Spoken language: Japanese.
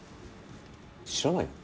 知らないの？